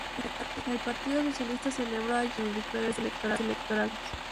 El Partido Socialista celebró allí algunas de sus victorias electorales.